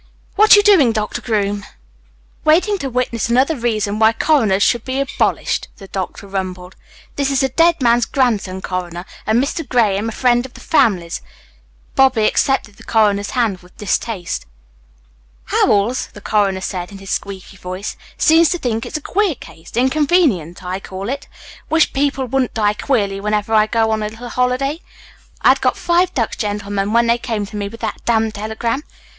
"What you doing, Doctor Groom?" "Waiting to witness another reason why coroners should be abolished," the doctor rumbled. "This is the dead man's grandson, Coroner; and Mr. Graham, a friend of the family's." Bobby accepted the coroner's hand with distaste. "Howells," the coroner said in his squeaky voice, "seems to think it's a queer case. Inconvenient, I call it. Wish people wouldn't die queerly whenever I go on a little holiday. I had got five ducks, gentlemen, when they came to me with that damned telegram.